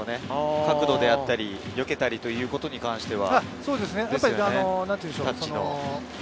角度であったり、よけたりということに関しては。